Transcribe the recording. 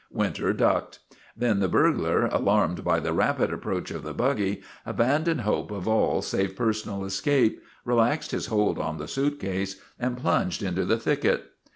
Winter ducked. Then the burglar, alarmed by the rapid approach of the buggy, abandoned hope of all save personal escape, relaxed his hold on the suitcase, and plunged into the thicket.